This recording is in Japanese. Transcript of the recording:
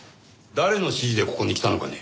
誰の指示でここに来たのかね？